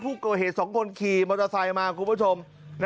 ผู้ก่อเหตุ๒คนขี่มอเตอร์ไซค์มาคุณผู้ชม